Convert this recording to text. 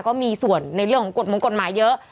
ก็มีส่วนในเรื่องของกฎมงกฎหมายเยอะ